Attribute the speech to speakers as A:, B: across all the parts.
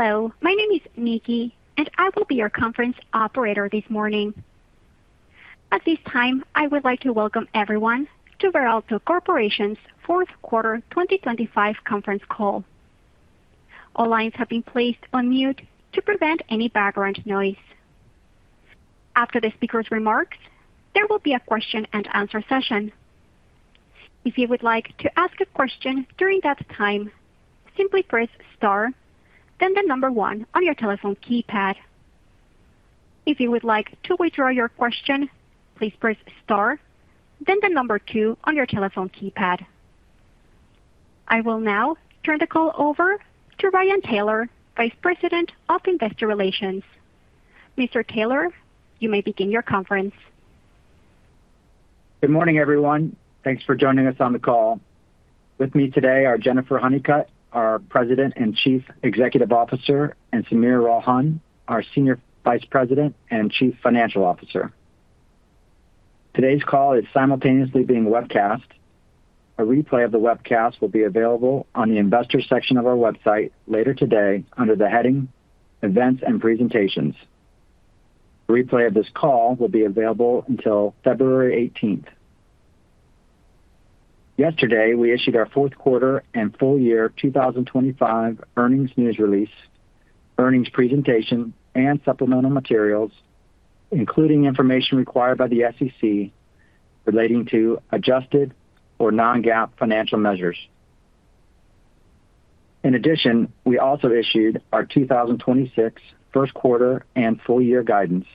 A: Hello, my name is Nikki, and I will be your conference operator this morning. At this time, I would like to welcome everyone to Veralto Corporation's Fourth Quarter 2025 Conference Call. All lines have been placed on mute to prevent any background noise. After the speaker's remarks, there will be a question and answer session. If you would like to ask a question during that time, simply press star, then the number one on your telephone keypad. If you would like to withdraw your question, please press star, then the number two on your telephone keypad. I will now turn the call over to Ryan Taylor, Vice President of Investor Relations. Mr. Taylor, you may begin your conference.
B: Good morning, everyone. Thanks for joining us on the call. With me today are Jennifer Honeycutt, our President and Chief Executive Officer, and Sameer Ralhan, our Senior Vice President and Chief Financial Officer. Today's call is simultaneously being webcast. A replay of the webcast will be available on the Investors section of our website later today under the heading Events and Presentations. A replay of this call will be available until February 18th. Yesterday, we issued our fourth quarter and full-year 2025 earnings news release, earnings presentation, and supplemental materials, including information required by the SEC relating to adjusted or non-GAAP financial measures. In addition, we also issued our 2026 first quarter and full-year guidance.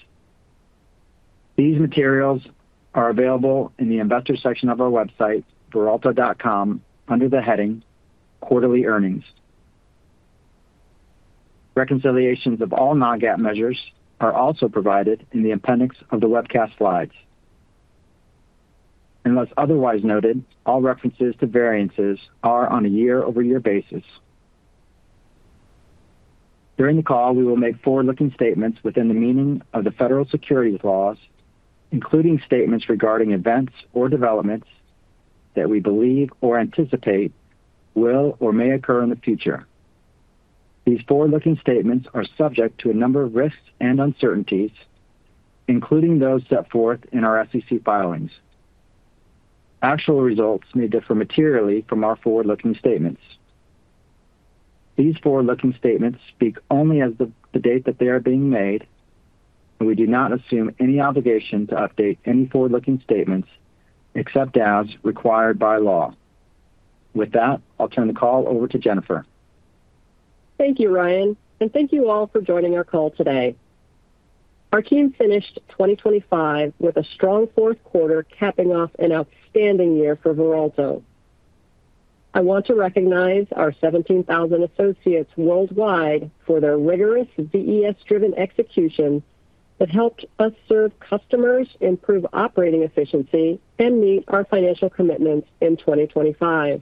B: These materials are available in the Investor section of our website, veralto.com, under the heading Quarterly Earnings. Reconciliations of all non-GAAP measures are also provided in the appendix of the webcast slides. Unless otherwise noted, all references to variances are on a year-over-year basis. During the call, we will make forward-looking statements within the meaning of the federal securities laws, including statements regarding events or developments that we believe or anticipate will or may occur in the future. These forward-looking statements are subject to a number of risks and uncertainties, including those set forth in our SEC filings. Actual results may differ materially from our forward-looking statements. These forward-looking statements speak only as of the date that they are being made, and we do not assume any obligation to update any forward-looking statements except as required by law. With that, I'll turn the call over to Jennifer.
C: Thank you, Ryan, and thank you all for joining our call today. Our team finished 2025 with a strong fourth quarter, capping off an outstanding year for Veralto. I want to recognize our 17,000 associates worldwide for their rigorous VES-driven execution that helped us serve customers, improve operating efficiency, and meet our financial commitments in 2025.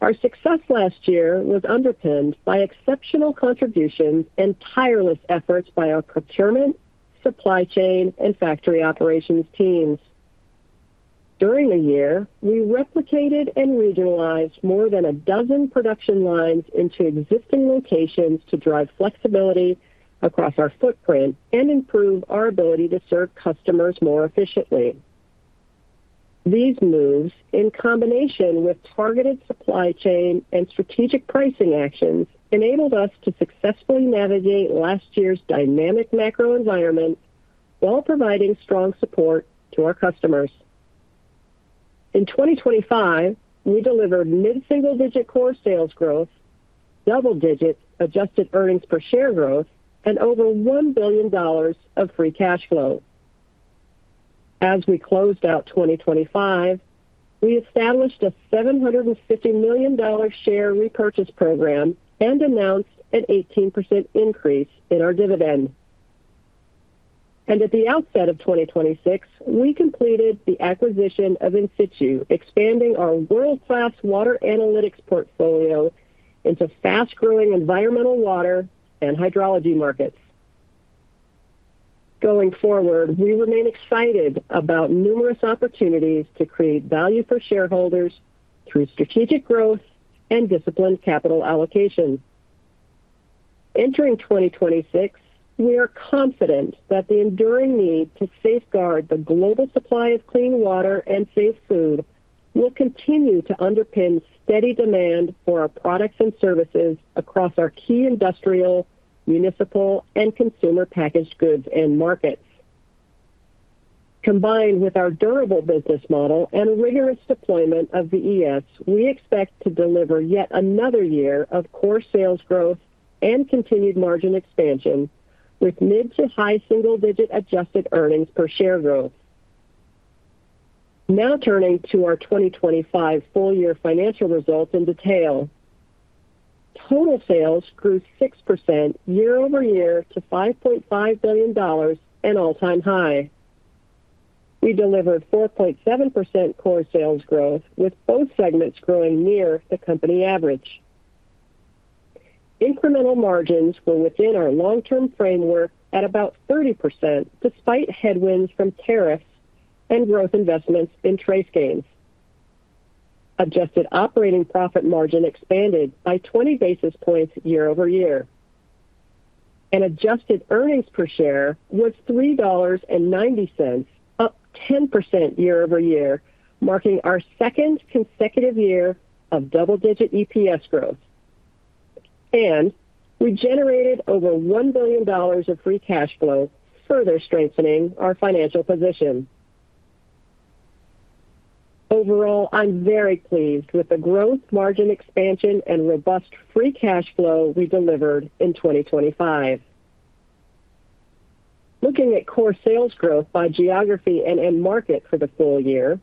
C: Our success last year was underpinned by exceptional contributions and tireless efforts by our procurement, supply chain, and factory operations teams. During the year, we replicated and regionalized more than a dozen production lines into existing locations to drive flexibility across our footprint and improve our ability to serve customers more efficiently. These moves, in combination with targeted supply chain and strategic pricing actions, enabled us to successfully navigate last year's dynamic macro environment while providing strong support to our customers. In 2025, we delivered mid-single-digit core sales growth, double-digit adjusted earnings per share growth, and over $1 billion of free cash flow. As we closed out 2025, we established a $750 million share repurchase program and announced an 18% increase in our dividend. At the outset of 2026, we completed the acquisition of In-Situ, expanding our world-class water analytics portfolio into fast-growing environmental, water, and hydrology markets. Going forward, we remain excited about numerous opportunities to create value for shareholders through strategic growth and disciplined capital allocation. Entering 2026, we are confident that the enduring need to safeguard the global supply of clean water and safe food will continue to underpin steady demand for our products and services across our key industrial, municipal, and consumer packaged goods end markets. Combined with our durable business model and rigorous deployment of VES, we expect to deliver yet another year of core sales growth and continued margin expansion, with mid- to high-single-digit adjusted earnings per share growth. Now turning to our 2025 full-year financial results in detail. Total sales grew 6% year-over-year to $5.5 billion, an all-time high. We delivered 4.7% core sales growth, with both segments growing near the company average. Incremental margins were within our long-term framework at about 30%, despite headwinds from tariffs and growth investments in TraceGains. Adjusted operating profit margin expanded by 20 basis points year-over-year. Adjusted earnings per share was $3.90, up 10% year-over-year, marking our second consecutive year of double-digit EPS growth. And we generated over $1 billion of free cash flow, further strengthening our financial position. Overall, I'm very pleased with the growth, margin expansion, and robust free cash flow we delivered in 2025. Looking at core sales growth by geography and end market for the full year,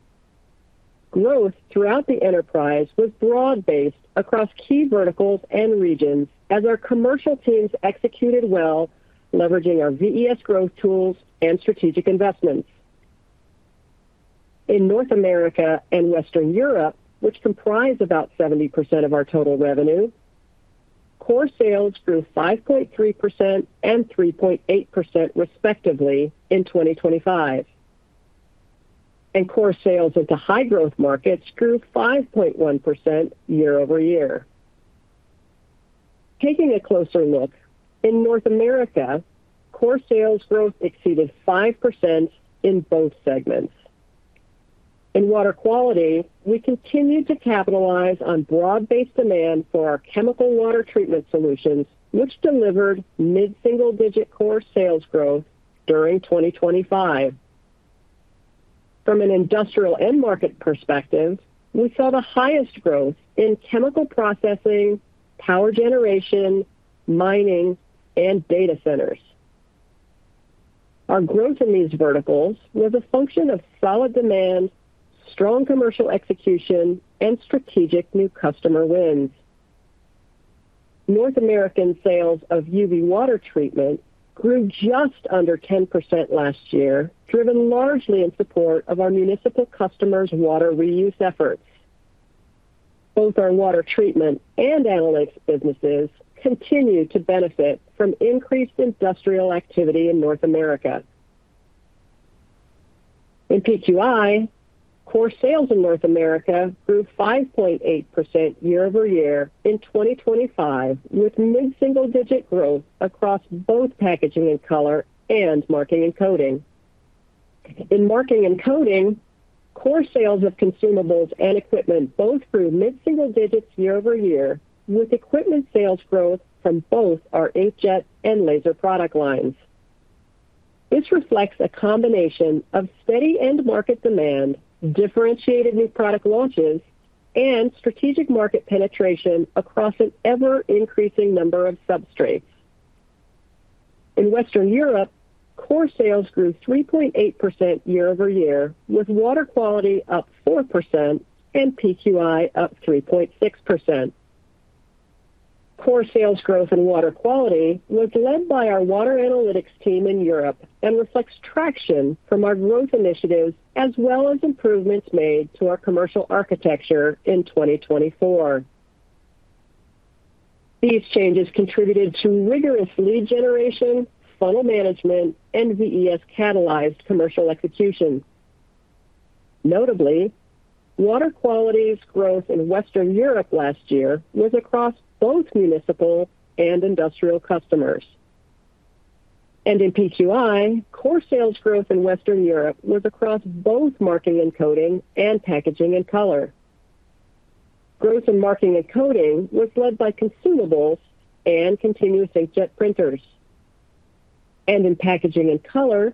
C: growth throughout the enterprise was broad-based across key verticals and regions as our commercial teams executed well, leveraging our VES growth tools and strategic investments. In North America and Western Europe, which comprise about 70% of our total revenue, core sales grew 5.3% and 3.8% respectively in 2025. Core sales into high-growth markets grew 5.1% year-over-year. Taking a closer look, in North America, core sales growth exceeded 5% in both segments. In Water Quality, we continued to capitalize on broad-based demand for our chemical water treatment solutions, which delivered mid-single-digit core sales growth during 2025. From an industrial end market perspective, we saw the highest growth in chemical processing, power generation, mining, and data centers. Our growth in these verticals was a function of solid demand, strong commercial execution, and strategic new customer wins. North American sales of UV water treatment grew just under 10% last year, driven largely in support of our municipal customers' water reuse efforts. Both our water treatment and analytics businesses continued to benefit from increased industrial activity in North America. In PQI, core sales in North America grew 5.8% year-over-year in 2025, with mid-single-digit growth across both packaging and color and marking and coding. In marking and coding, core sales of consumables and equipment both grew mid-single digits year-over-year, with equipment sales growth from both our inkjet and laser product lines. This reflects a combination of steady end market demand, differentiated new product launches, and strategic market penetration across an ever-increasing number of substrates. In Western Europe, core sales grew 3.8% year-over-year, with Water Quality up 4% and PQI up 3.6%. Core sales growth in Water Quality was led by our water analytics team in Europe and reflects traction from our growth initiatives, as well as improvements made to our commercial architecture in 2024. These changes contributed to rigorous lead generation, funnel management, and VES-catalyzed commercial execution. Notably, Water Quality's growth in Western Europe last year was across both municipal and industrial customers. In PQI, core sales growth in Western Europe was across both marking and coding and packaging and color. Growth in marking and coding was led by consumables and continuous inkjet printers. In packaging and color,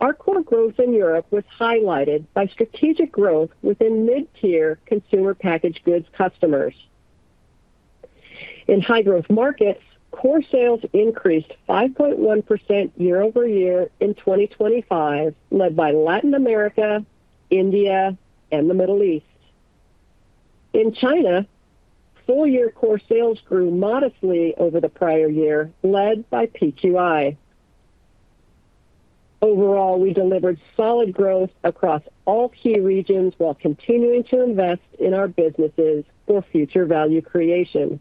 C: our core growth in Europe was highlighted by strategic growth within mid-tier consumer packaged goods customers. In high-growth markets, core sales increased 5.1% year-over-year in 2025, led by Latin America, India, and the Middle East. In China, full-year core sales grew modestly over the prior year, led by PQI. Overall, we delivered solid growth across all key regions while continuing to invest in our businesses for future value creation.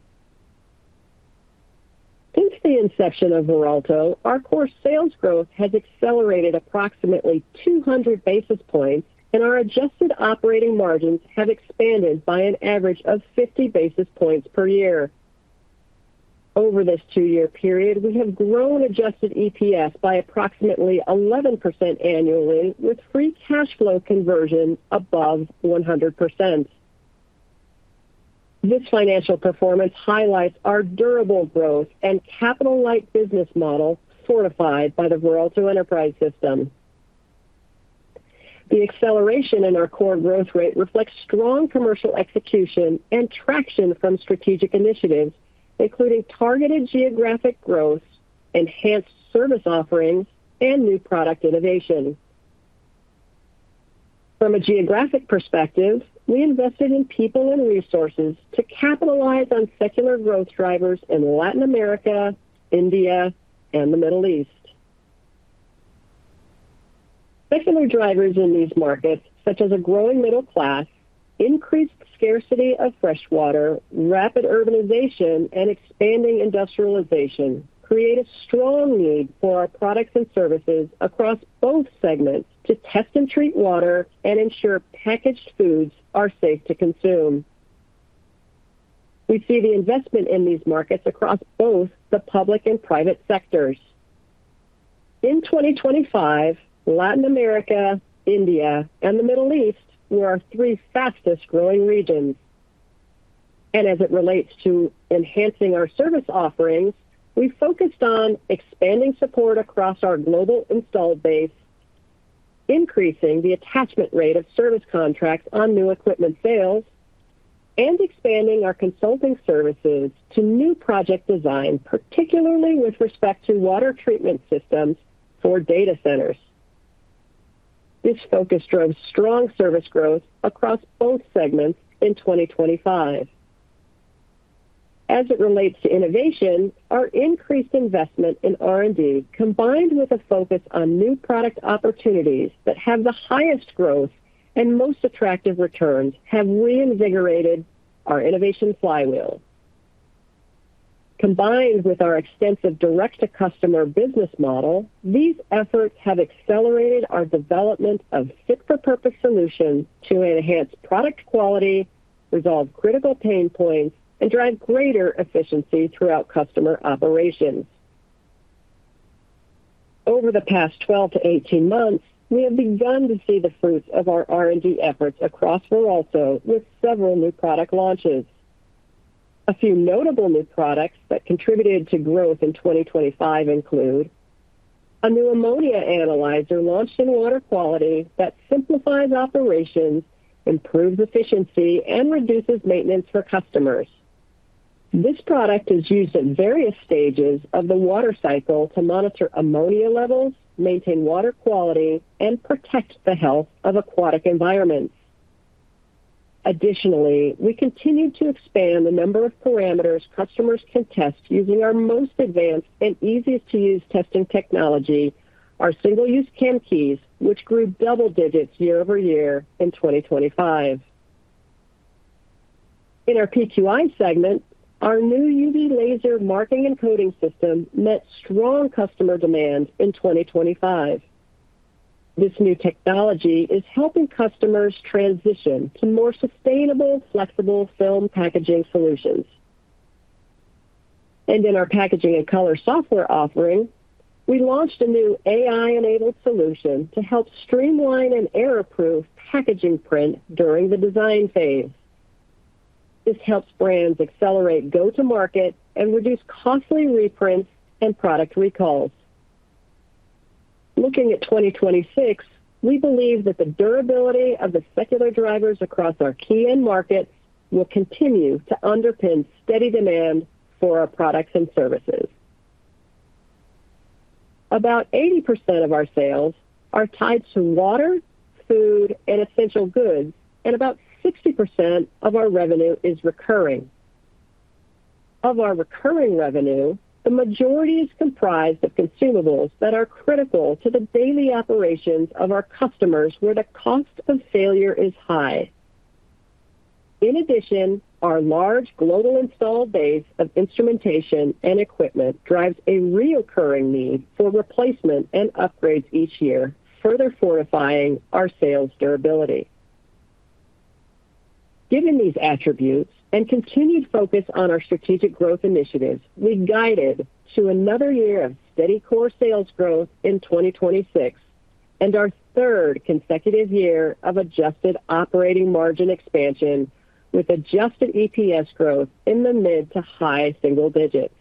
C: Since the inception of Veralto, our core sales growth has accelerated approximately 200 basis points, and our adjusted operating margins have expanded by an average of 50 basis points per year. Over this two-year period, we have grown adjusted EPS by approximately 11% annually, with free cash flow conversion above 100%. This financial performance highlights our durable growth and capital-light business model, fortified by the Veralto Enterprise System. The acceleration in our core growth rate reflects strong commercial execution and traction from strategic initiatives, including targeted geographic growth, enhanced service offerings, and new product innovation. From a geographic perspective, we invested in people and resources to capitalize on secular growth drivers in Latin America, India, and the Middle East. Secular drivers in these markets, such as a growing middle class, increased scarcity of fresh water, rapid urbanization, and expanding industrialization, create a strong need for our products and services across both segments to test and treat water and ensure packaged foods are safe to consume. We see the investment in these markets across both the public and private sectors. In 2025, Latin America, India, and the Middle East were our three fastest growing regions. As it relates to enhancing our service offerings, we focused on expanding support across our global installed base, increasing the attachment rate of service contracts on new equipment sales, and expanding our consulting services to new project design, particularly with respect to water treatment systems for data centers. This focus drove strong service growth across both segments in 2025. As it relates to innovation, our increased investment in R&D, combined with a focus on new product opportunities that have the highest growth and most attractive returns, have reinvigorated our innovation flywheel. Combined with our extensive direct-to-customer business model, these efforts have accelerated our development of fit-for-purpose solutions to enhance product quality, resolve critical pain points, and drive greater efficiency throughout customer operations. Over the past 12-18 months, we have begun to see the fruits of our R&D efforts across Veralto with several new product launches. A few notable new products that contributed to growth in 2025 include: A new ammonia analyzer launched in Water Quality that simplifies operations, improves efficiency, and reduces maintenance for customers. This product is used at various stages of the water cycle to monitor ammonia levels, maintain water quality, and protect the health of aquatic environments. Additionally, we continue to expand the number of parameters customers can test using our most advanced and easiest-to-use testing technology, our single-use Chemkeys, which grew double digits year-over-year in 2025. In our PQI segment, our new UV laser marking and coding system met strong customer demand in 2025. This new technology is helping customers transition to more sustainable, flexible film packaging solutions. In our packaging and color software offering, we launched a new AI-enabled solution to help streamline and error-proof packaging print during the design phase. This helps brands accelerate go-to-market and reduce costly reprints and product recalls. Looking at 2026, we believe that the durability of the secular drivers across our key end markets will continue to underpin steady demand for our products and services. About 80% of our sales are tied to water, food, and essential goods, and about 60% of our revenue is recurring. Of our recurring revenue, the majority is comprised of consumables that are critical to the daily operations of our customers, where the cost of failure is high. In addition, our large global installed base of instrumentation and equipment drives a recurring need for replacement and upgrades each year, further fortifying our sales durability. Given these attributes and continued focus on our strategic growth initiatives, we guided to another year of steady core sales growth in 2026 and our third consecutive year of adjusted operating margin expansion, with adjusted EPS growth in the mid- to high-single digits.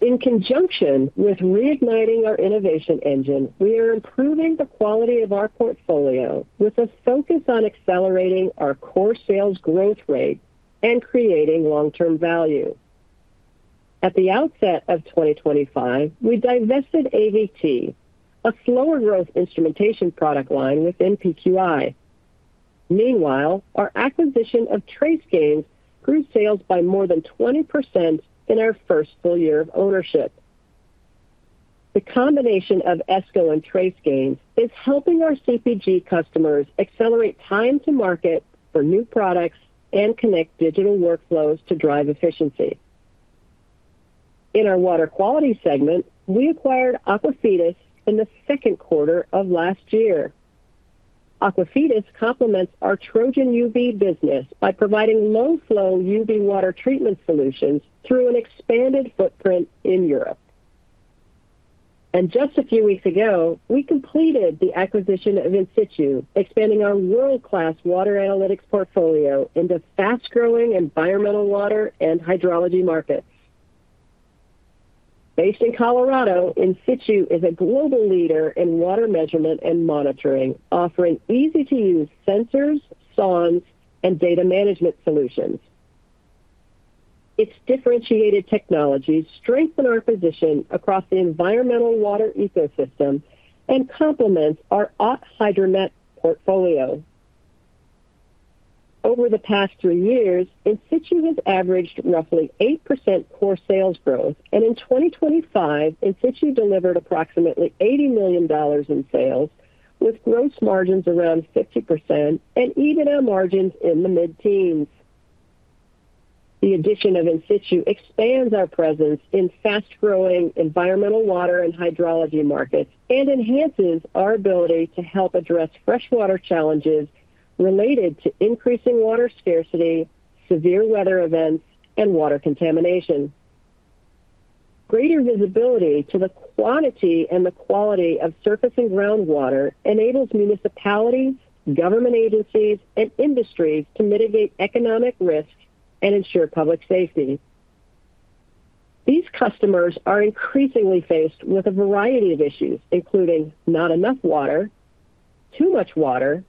C: In conjunction with reigniting our innovation engine, we are improving the quality of our portfolio with a focus on accelerating our core sales growth rate and creating long-term value. At the outset of 2025, we divested AVT, a slower growth instrumentation product line within PQI. Meanwhile, our acquisition of TraceGains grew sales by more than 20% in our first full year of ownership. The combination of Esko and TraceGains is helping our CPG customers accelerate time to market for new products and connect digital workflows to drive efficiency. In our Water Quality segment, we acquired Aquafides in the second quarter of last year. Aquafides complements our TrojanUV business by providing low-flow UV water treatment solutions through an expanded footprint in Europe. And just a few weeks ago, we completed the acquisition of In-Situ, expanding our world-class water analytics portfolio into fast-growing environmental water and hydrology markets. Based in Colorado, In-Situ is a global leader in water measurement and monitoring, offering easy-to-use sensors, sondes, and data management solutions. Its differentiated technologies strengthen our position across the environmental water ecosystem and complements our OTT HydroMet portfolio. Over the past three years, In-Situ has averaged roughly 8% core sales growth, and in 2025, In-Situ delivered approximately $80 million in sales, with gross margins around 50% and EBITDA margins in the mid-teens. The addition of In-Situ expands our presence in fast-growing environmental water and hydrology markets, and enhances our ability to help address freshwater challenges related to increasing water scarcity, severe weather events, and water contamination. Greater visibility to the quantity and the quality of surface and groundwater enables municipalities, government agencies, and industries to mitigate economic risks and ensure public safety. These customers are increasingly faced with a variety of issues, including not enough water, too much water,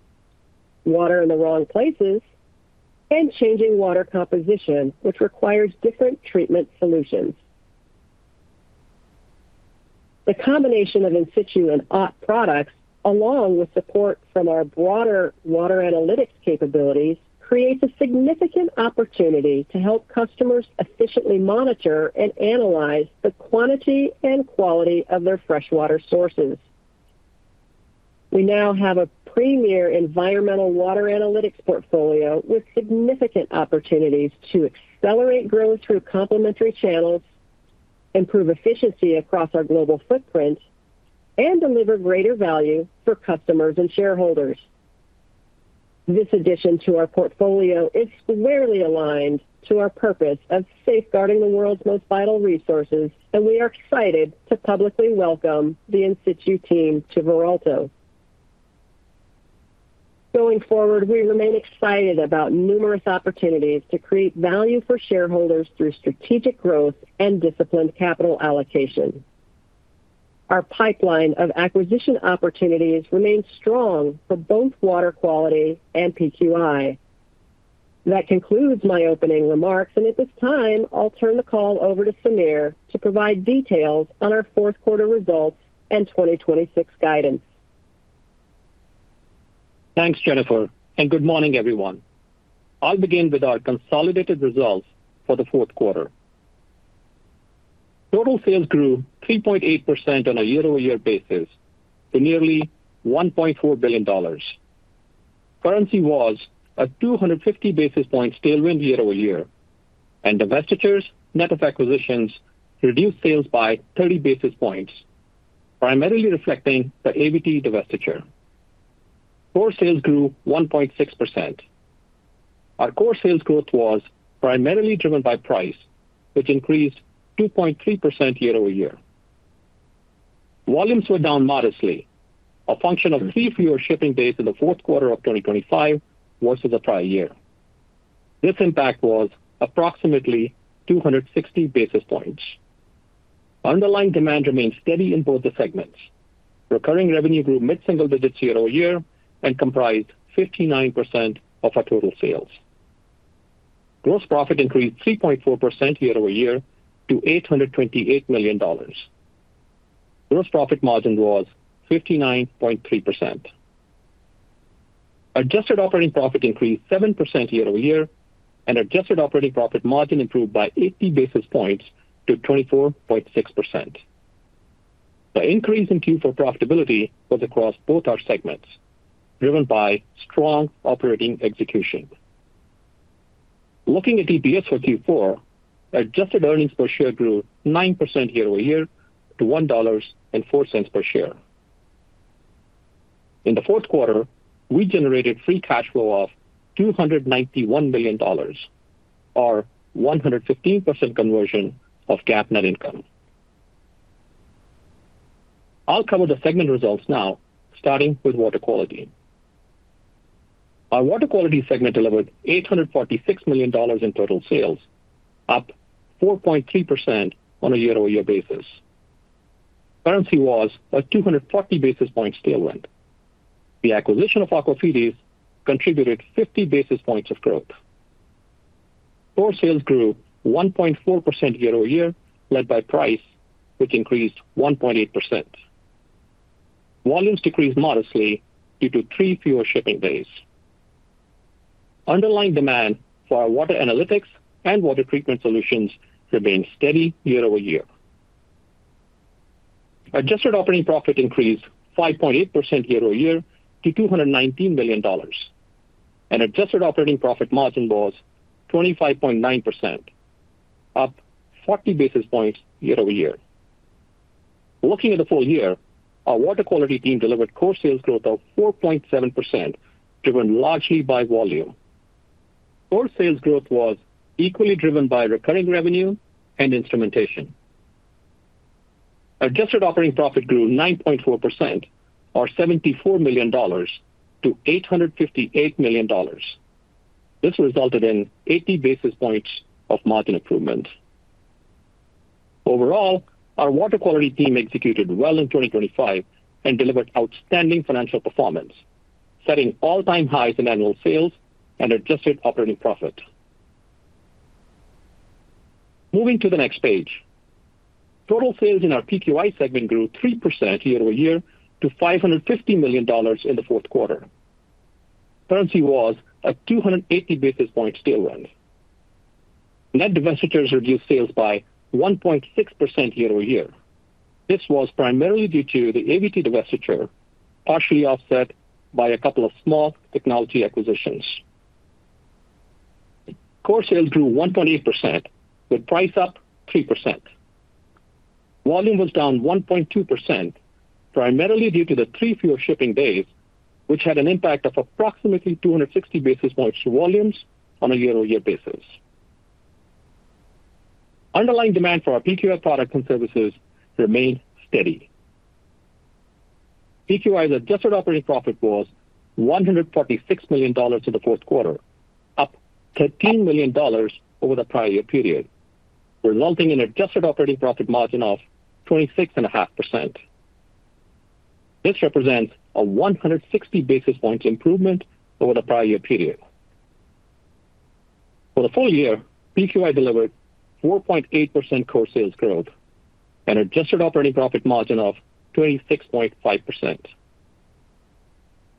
C: water in the wrong places, and changing water composition, which requires different treatment solutions. The combination of In-Situ and OTT products, along with support from our broader water analytics capabilities, creates a significant opportunity to help customers efficiently monitor and analyze the quantity and quality of their freshwater sources. We now have a premier environmental water analytics portfolio with significant opportunities to accelerate growth through complementary channels, improve efficiency across our global footprint, and deliver greater value for customers and shareholders. This addition to our portfolio is squarely aligned to our purpose of safeguarding the world's most vital resources, and we are excited to publicly welcome the In-Situ team to Veralto. Going forward, we remain excited about numerous opportunities to create value for shareholders through strategic growth and disciplined capital allocation. Our pipeline of acquisition opportunities remains strong for both Water Quality and PQI. That concludes my opening remarks, and at this time, I'll turn the call over to Sameer to provide details on our fourth quarter results and 2026 guidance.
D: Thanks, Jennifer, and good morning, everyone. I'll begin with our consolidated results for the fourth quarter. Total sales grew 3.8% on a year-over-year basis to nearly $1.4 billion. Currency was a 250 basis point tailwind year-over-year, and divestitures, net of acquisitions, reduced sales by 30 basis points, primarily reflecting the AVT divestiture. Core sales grew 1.6%. Our core sales growth was primarily driven by price, which increased 2.3% year-over-year. Volumes were down modestly, a function of three fewer shipping days in the fourth quarter of 2025 versus the prior year. This impact was approximately 260 basis points. Underlying demand remained steady in both the segments. Recurring revenue grew mid-single digits year-over-year and comprised 59% of our total sales. Gross profit increased 3.4% year-over-year to $828 million. Gross profit margin was 59.3%. Adjusted operating profit increased 7% year-over-year, and adjusted operating profit margin improved by 80 basis points to 24.6%. The increase in Q4 profitability was across both our segments, driven by strong operating execution. Looking at EPS for Q4, adjusted earnings per share grew 9% year-over-year to $1.04 per share. In the fourth quarter, we generated free cash flow of $291 million, or 115% conversion of GAAP net income. I'll cover the segment results now, starting with Water Quality. Our Water Quality segment delivered $846 million in total sales, up 4.3% on a year-over-year basis. Currency was a 240 basis point tailwind. The acquisition of Aquafides contributed 50 basis points of growth. Core sales grew 1.4% year-over-year, led by price, which increased 1.8%. Volumes decreased modestly due to three fewer shipping days. Underlying demand for our water analytics and water treatment solutions remained steady year-over-year. Adjusted operating profit increased 5.8% year-over-year to $219 million, and adjusted operating profit margin was 25.9%, up 40 basis points year-over-year. Looking at the full year, our Water Quality team delivered core sales growth of 4.7%, driven largely by volume. Core sales growth was equally driven by recurring revenue and instrumentation. Adjusted operating profit grew 9.4%, or $74 million, to $858 million. This resulted in 80 basis points of margin improvement. Overall, our Water Quality team executed well in 2025 and delivered outstanding financial performance, setting all-time highs in annual sales and adjusted operating profit. Moving to the next page. Total sales in our PQI segment grew 3% year-over-year to $550 million in the fourth quarter. Currency was a 280 basis point tailwind. Net divestitures reduced sales by 1.6% year-over-year. This was primarily due to the AVT divestiture, partially offset by a couple of small technology acquisitions. Core sales grew 1.8%, with price up 3%. Volume was down 1.2%, primarily due to the three fewer shipping days, which had an impact of approximately 260 basis points to volumes on a year-over-year basis. Underlying demand for our PQI products and services remained steady. PQI's adjusted operating profit was $146 million in the fourth quarter, up $13 million over the prior-year period, resulting in adjusted operating profit margin of 26.5%. This represents a 160 basis points improvement over the prior-year period. For the full year, PQI delivered 4.8% core sales growth and adjusted operating profit margin of 26.5%.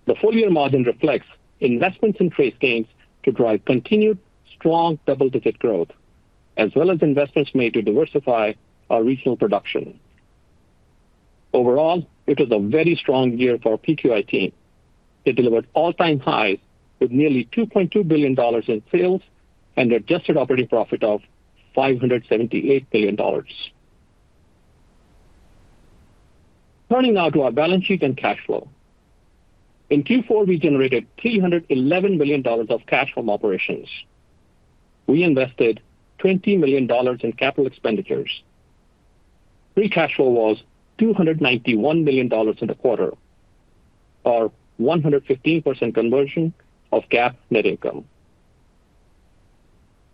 D: The full-year margin reflects investments in TraceGains to drive continued strong double-digit growth, as well as investments made to diversify our regional production. Overall, it was a very strong year for our PQI team. They delivered all-time highs with nearly $2.2 billion in sales and adjusted operating profit of $578 billion. Turning now to our balance sheet and cash flow. In Q4, we generated $311 million of cash from operations. We invested $20 million in capital expenditures. Free cash flow was $291 million in the quarter, or 115% conversion of GAAP net income.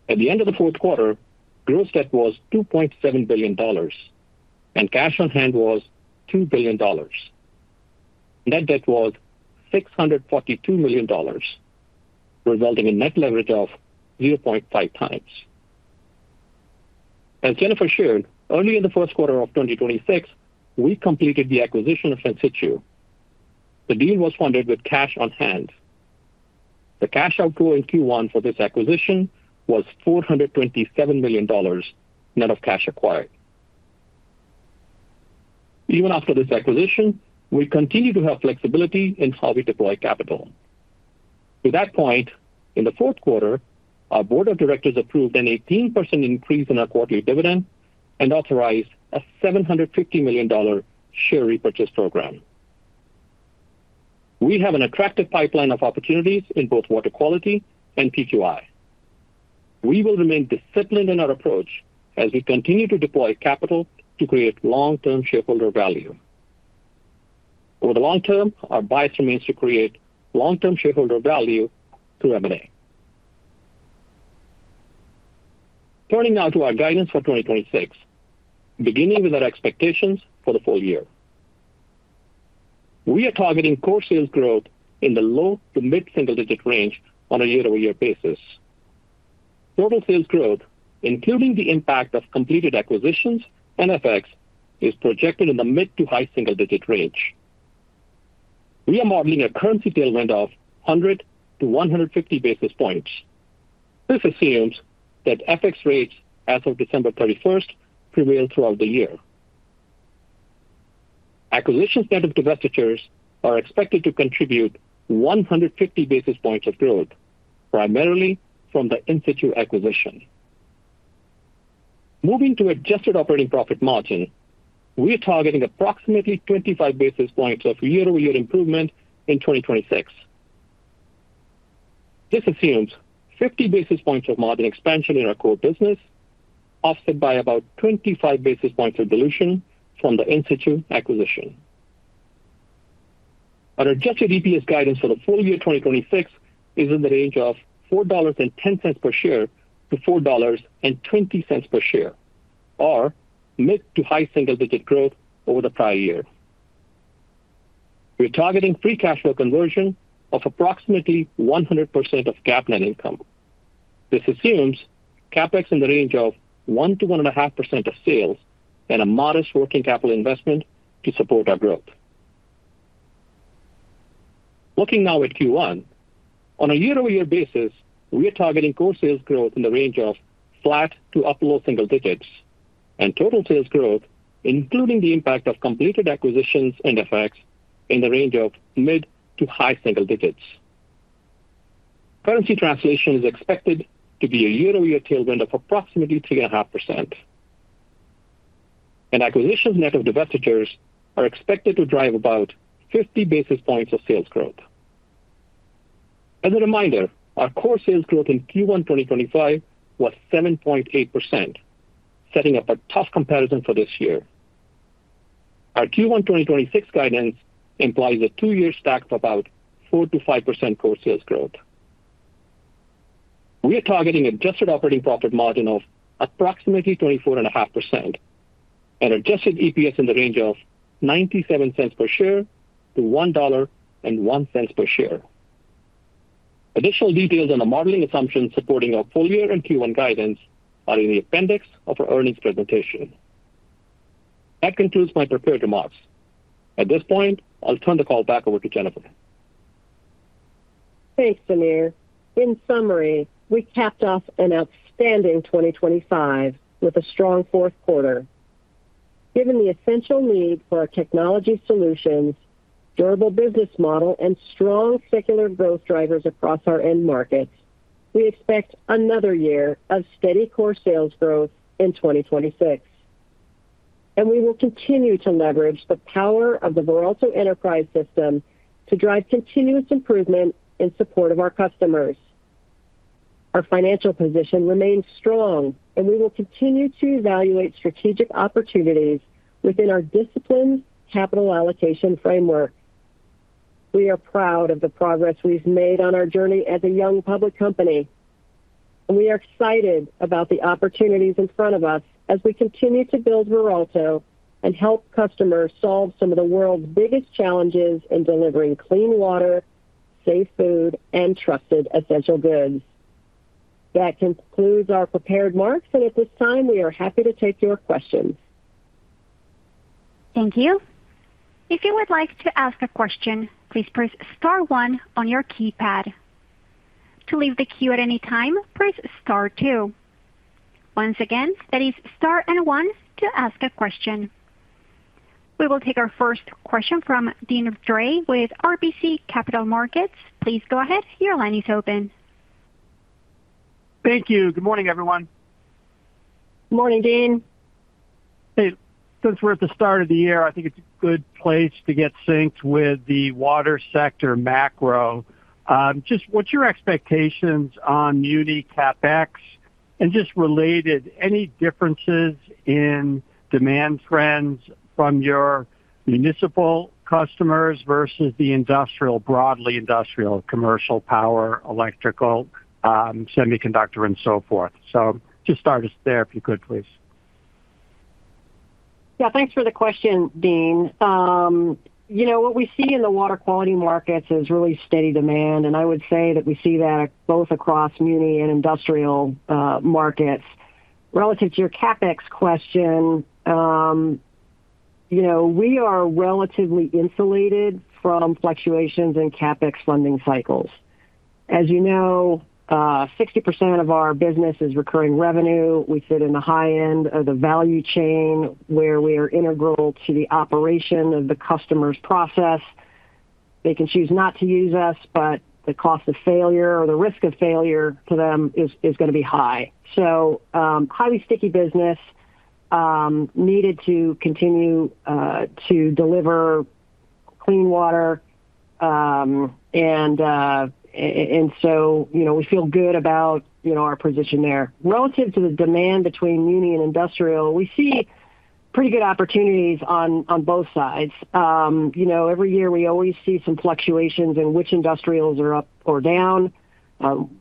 D: At the end of the fourth quarter, gross debt was $2.7 billion, and cash on hand was $2 billion. Net debt was $642 million, resulting in net leverage of 0.5x. As Jennifer shared, early in the first quarter of 2026, we completed the acquisition of In-Situ. The deal was funded with cash on hand. The cash outflow in Q1 for this acquisition was $427 million, net of cash acquired. Even after this acquisition, we continue to have flexibility in how we deploy capital. To that point, in the fourth quarter, our board of directors approved an 18% increase in our quarterly dividend and authorized a $750 million share repurchase program. We have an attractive pipeline of opportunities in both Water Quality and PQI. We will remain disciplined in our approach as we continue to deploy capital to create long-term shareholder value. Over the long term, our bias remains to create long-term shareholder value through M&A. Turning now to our guidance for 2026, beginning with our expectations for the full year. We are targeting core sales growth in the low- to mid-single-digit range on a year-over-year basis. Total sales growth, including the impact of completed acquisitions and FX, is projected in the mid- to high-single-digit range. We are modeling a currency tailwind of 100 to 150 basis points. This assumes that FX rates as of December 31st prevail throughout the year. Acquisitions net of divestitures are expected to contribute 150 basis points of growth, primarily from the In-Situ acquisition. Moving to adjusted operating profit margin, we are targeting approximately 25 basis points of year-over-year improvement in 2026. This assumes 50 basis points of margin expansion in our core business, offset by about 25 basis points of dilution from the In-Situ acquisition. Our adjusted EPS guidance for the full-year 2026 is in the range of $4.10-$4.20 per share, or mid- to high-single-digit growth over the prior year. We are targeting free cash flow conversion of approximately 100% of GAAP net income. This assumes CapEx in the range of 1%-1.5% of sales and a modest working capital investment to support our growth. Looking now at Q1. On a year-over-year basis, we are targeting core sales growth in the range of flat to up low-single digits, and total sales growth, including the impact of completed acquisitions and effects, in the range of mid- to high-single digits. Currency translation is expected to be a year-over-year tailwind of approximately 3.5%. And acquisitions net of divestitures are expected to drive about 50 basis points of sales growth. As a reminder, our core sales growth in Q1 2025 was 7.8%, setting up a tough comparison for this year. Our Q1 2026 guidance implies a two-year stack of about 4%-5% core sales growth. We are targeting adjusted operating profit margin of approximately 24.5% and adjusted EPS in the range of $0.97-$1.01 per share. Additional details on the modeling assumptions supporting our full-year and Q1 guidance are in the appendix of our earnings presentation. That concludes my prepared remarks. At this point, I'll turn the call back over to Jennifer.
C: Thanks, Sameer. In summary, we capped off an outstanding 2025 with a strong fourth quarter. Given the essential need for our technology solutions, durable business model, and strong secular growth drivers across our end markets, we expect another year of steady core sales growth in 2026, and we will continue to leverage the power of the Veralto Enterprise System to drive continuous improvement in support of our customers. Our financial position remains strong, and we will continue to evaluate strategic opportunities within our disciplined capital allocation framework. We are proud of the progress we've made on our journey as a young public company, and we are excited about the opportunities in front of us as we continue to build Veralto and help customers solve some of the world's biggest challenges in delivering clean water, safe food, and trusted essential goods. That concludes our prepared remarks, and at this time, we are happy to take your questions.
A: Thank you. If you would like to ask a question, please press star one on your keypad. To leave the queue at any time, press star two. Once again, that is star and one to ask a question. We will take our first question from Deane Dray with RBC Capital Markets. Please go ahead. Your line is open.
E: Thank you. Good morning, everyone.
C: Morning, Deane.
E: Hey, since we're at the start of the year, I think it's a good place to get synced with the water sector macro. Just what's your expectations on muni CapEx? And just related, any differences in demand trends from your municipal customers versus the industrial, broadly industrial, commercial, power, electrical, semiconductor and so forth? So just start us there, if you could, please.
C: Yeah, thanks for the question, Deane. You know what we see in the Water Quality markets is really steady demand, and I would say that we see that both across muni and industrial markets. Relative to your CapEx question, you know, we are relatively insulated from fluctuations in CapEx funding cycles. As you know, 60% of our business is recurring revenue. We sit in the high end of the value chain, where we are integral to the operation of the customer's process. They can choose not to use us, but the cost of failure or the risk of failure to them is gonna be high. So, highly sticky business, needed to continue to deliver clean water. And so, you know, we feel good about, you know, our position there. Relative to the demand between muni and industrial, we see pretty good opportunities on both sides. You know, every year we always see some fluctuations in which industrials are up or down.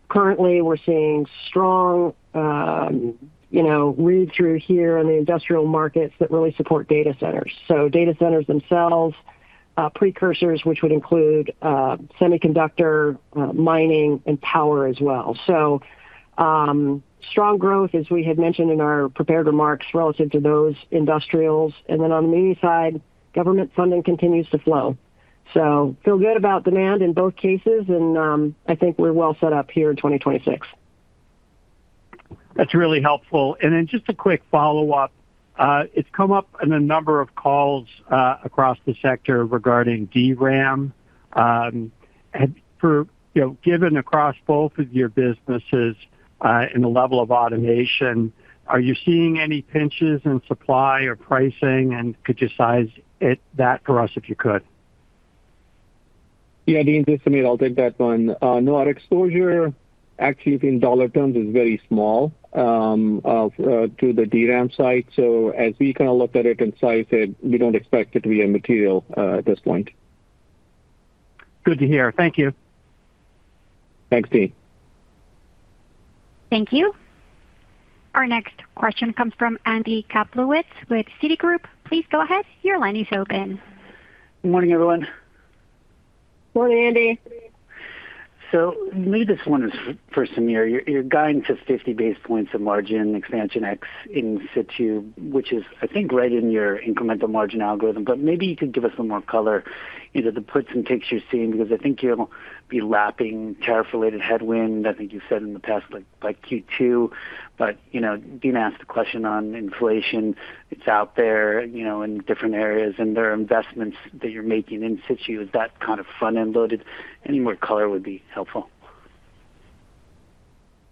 C: Currently, we're seeing strong, you know, read through here in the industrial markets that really support data centers. So data centers themselves, precursors, which would include, semiconductor, mining and power as well. So, strong growth, as we had mentioned in our prepared remarks relative to those industrials. And then on the muni side, government funding continues to flow. So feel good about demand in both cases, and, I think we're well set up here in 2026.
E: That's really helpful. Then just a quick follow-up. It's come up in a number of calls across the sector regarding DRAM. And for, you know, given across both of your businesses and the level of automation, are you seeing any pinches in supply or pricing? And could you size it that for us, if you could?
D: Yeah, Deane, this is Sameer. I'll take that one. No, our exposure actually in dollar terms is very small, to the DRAM side. So as we kind of looked at it and sized it, we don't expect it to be a material, at this point.
E: Good to hear. Thank you.
D: Thanks, Deane.
A: Thank you. Our next question comes from Andy Kaplowitz with Citigroup. Please go ahead. Your line is open.
F: Good morning, everyone.
C: Morning, Andy.
F: So maybe this one is for Sameer. You're guiding to 50 basis points of margin expansion ex In-Situ, which is, I think, right in your incremental margin algorithm, but maybe you could give us some more color, you know, the puts and takes you're seeing, because I think you'll be lapping tariff-related headwind. I think you've said in the past, like, by Q2. But you know, Dean asked a question on inflation. It's out there, you know, in different areas, and there are investments that you're making in In-Situ. Is that kind of front-end loaded? Any more color would be helpful.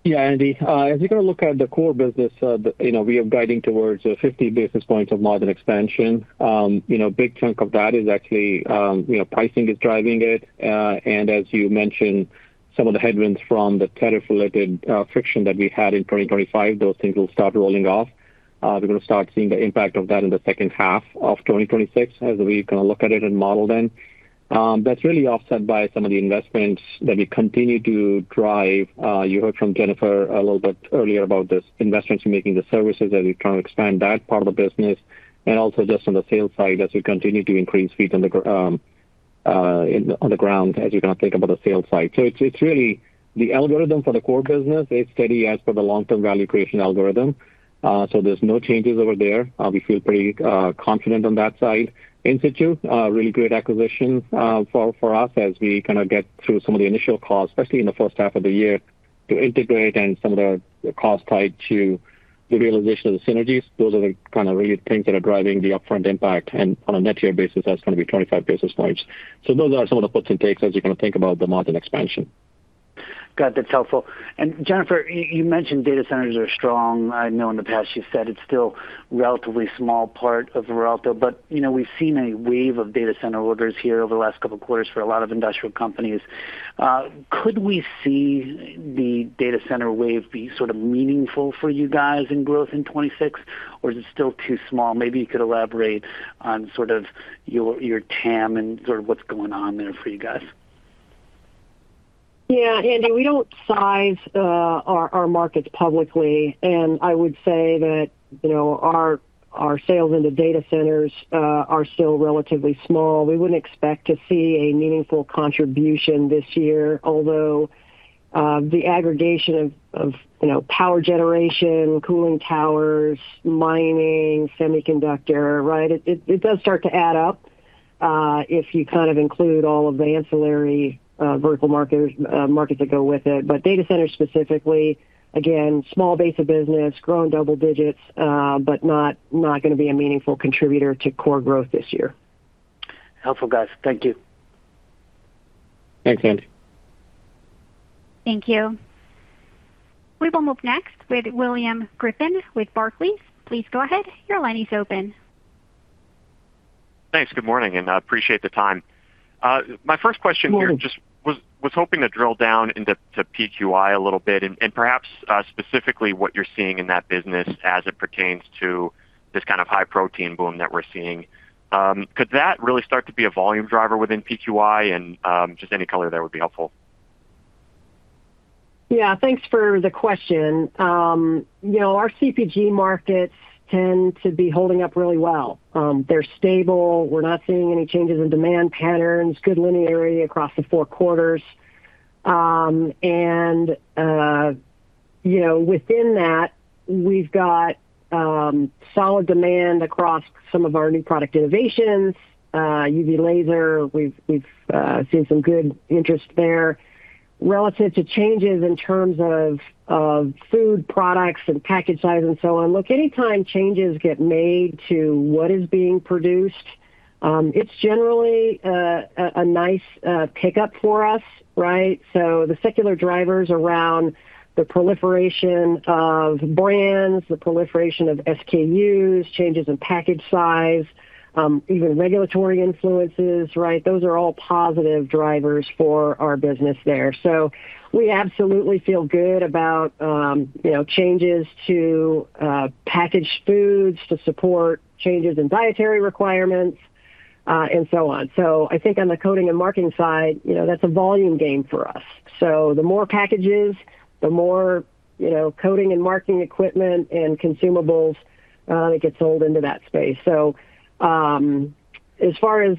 D: Yeah, Andy, as you kind of look at the core business, you know, we are guiding towards 50 basis points of margin expansion. You know, big chunk of that is actually, you know, pricing is driving it. And as you mentioned, some of the headwinds from the tariff-related, friction that we had in 2025, those things will start rolling off. We're gonna start seeing the impact of that in the second half of 2026 as we kind of look at it and model then. That's really offset by some of the investments that we continue to drive. You heard from Jennifer a little bit earlier about this, investments we're making, the services, as we kind of expand that part of the business, and also just on the sales side, as we continue to increase feet on the gr-- on the ground as we kind of think about the sales side. So it's, it's really the algorithm for the core business is steady as per the long-term value creation algorithm. So there's no changes over there. We feel pretty confident on that side. In-Situ, a really great acquisition for us as we kind of get through some of the initial costs, especially in the first half of the year... to integrate and some of the costs tied to the realization of the synergies. Those are the kind of real things that are driving the upfront impact. And on a net year basis, that's gonna be 25 basis points. So those are some of the puts and takes as you kind of think about the margin expansion.
F: Got it. That's helpful. And Jennifer, you mentioned data centers are strong. I know in the past you've said it's still relatively small part of the overall, but, you know, we've seen a wave of data center orders here over the last couple of quarters for a lot of industrial companies. Could we see the data center wave be sort of meaningful for you guys in growth in 2026, or is it still too small? Maybe you could elaborate on sort of your TAM and sort of what's going on there for you guys.
C: Yeah, Andy, we don't size our markets publicly, and I would say that, you know, our sales in the data centers are still relatively small. We wouldn't expect to see a meaningful contribution this year, although the aggregation of, you know, power generation, cooling towers, mining, semiconductor, right, it does start to add up if you kind of include all of the ancillary vertical markers, markets that go with it. But data centers specifically, again, small base of business, growing double digits, but not gonna be a meaningful contributor to core growth this year.
F: Helpful, guys. Thank you.
D: Thanks, Andy.
A: Thank you. We will move next with William Griffin with Barclays. Please go ahead. Your line is open.
G: Thanks. Good morning, and I appreciate the time. My first question here-
C: Morning.
G: Just was hoping to drill down into PQI a little bit and perhaps specifically what you're seeing in that business as it pertains to this kind of high protein boom that we're seeing. Could that really start to be a volume driver within PQI? Just any color there would be helpful.
C: Yeah, thanks for the question. You know, our CPG markets tend to be holding up really well. They're stable. We're not seeing any changes in demand patterns, good linearity across the four quarters. And you know, within that, we've got solid demand across some of our new product innovations, UV laser, we've seen some good interest there. Relative to changes in terms of food products and package size and so on, look, anytime changes get made to what is being produced, it's generally a nice pickup for us, right? So the secular drivers around the proliferation of brands, the proliferation of SKUs, changes in package size, even regulatory influences, right? Those are all positive drivers for our business there. So we absolutely feel good about, you know, changes to packaged foods to support changes in dietary requirements, and so on. So I think on the coding and marking side, you know, that's a volume game for us. So the more packages, the more, you know, coding and marking equipment and consumables that gets sold into that space. So, as far as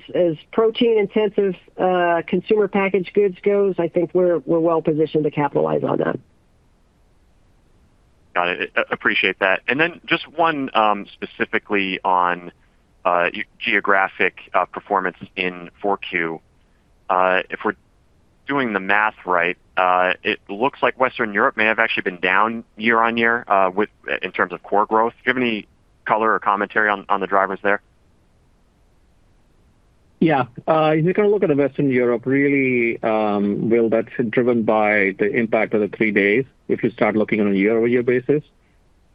C: protein-intensive consumer packaged goods goes, I think we're well positioned to capitalize on that.
G: Got it. Appreciate that. And then just one, specifically on geographic performance in 4Q. If we're doing the math right, it looks like Western Europe may have actually been down year-over-year in terms of core growth. Do you have any color or commentary on the drivers there?
D: Yeah. If you kind of look at the Western Europe, really, well, that's driven by the impact of the three days, if you start looking on a year-over-year basis.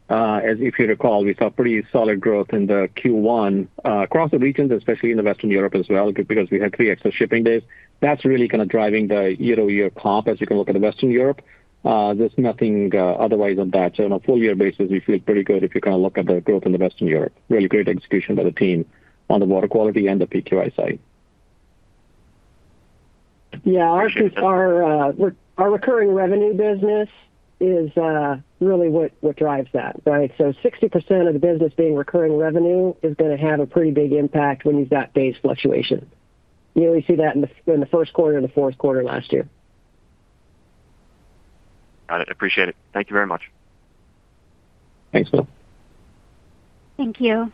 D: As if you recall, we saw pretty solid growth in the Q1, across the regions, especially in the Western Europe as well, because we had three extra shipping days. That's really kind of driving the year-over-year comp as you can look at the Western Europe. There's nothing, otherwise on that. So on a full-year basis, we feel pretty good if you kind of look at the growth in the Western Europe. Really great execution by the team on the Water Quality and the PQI side.
C: Yeah, our recurring revenue business is really what drives that, right? So 60% of the business being recurring revenue is gonna have a pretty big impact when you've got base fluctuation. You really see that in the first quarter and the fourth quarter last year.
G: Got it. Appreciate it. Thank you very much.
D: Thanks, Bill.
A: Thank you.